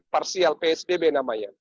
parsial psbb namanya